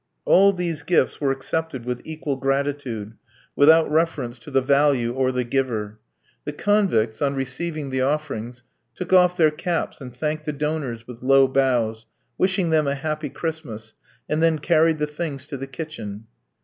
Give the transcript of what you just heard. All these gifts were accepted with equal gratitude, without reference to the value or the giver. The convicts, on receiving the offerings, took off their caps and thanked the donors with low bows, wishing them a happy Christmas, and then carried the things to the kitchen.